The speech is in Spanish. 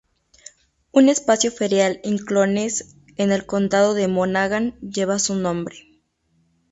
Un espacio ferial en Clones, en el condado de Monaghan, lleva su nombre.